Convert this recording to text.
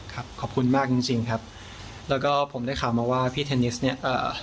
ครับขอบคุณมากจริงครับแล้วก็ผมได้ข่าวมาว่าพี่เทนนิสเนี่ย